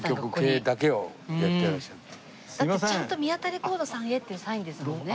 だってちゃんと「宮田レコードさんへ」っていうサインですもんね。